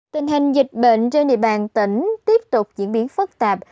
tình hình dịch bệnh trên địa bàn tỉnh tiếp tục diễn biến phức tạp